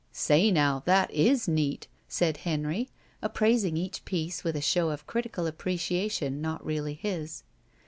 "Say now, that is neat," said Henry, appraising each piece with a show of critical appreciation not really his.